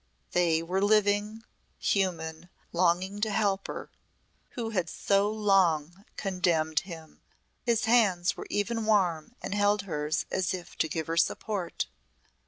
They were living, human, longing to help her who had so long condemned him. His hands were even warm and held hers as if to give her support.